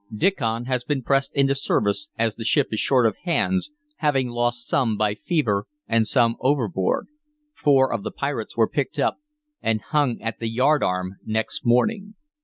Diccon has been pressed into service, as the ship is short of hands, having lost some by fever and some overboard. Four of the pirates were picked up, and hung at the yardarm next morning."